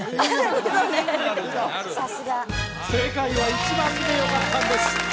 正解は「１番」でよかったんです